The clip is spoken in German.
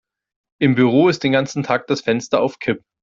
Im Büro ist den ganzen Tag das Fenster auf Kipp.